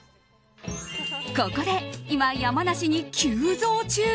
ここで、今、山梨に急増中。